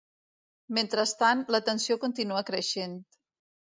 Mentrestant, la tensió continua creixent.